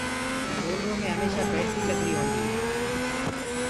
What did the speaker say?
سولرو مي هميشآ بيٽري لگري هوندي اي